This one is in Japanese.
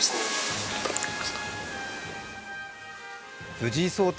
藤井聡太